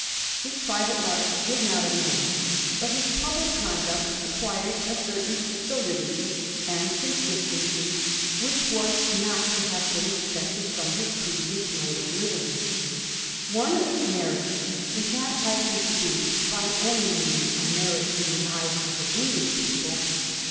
His private life did not amend, but his public conduct acquired a certain solidity and consistency which was not to have been expected firom his previous mode of living. One of his merits was not likely to be by any means a merit in the eyes of the English people.